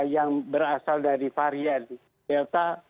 yang berasal dari varian delta